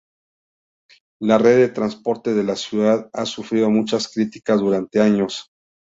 La red de transportes de la ciudad ha sufrido muchas críticas durante años.